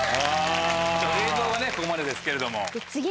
映像はここまでですけれども。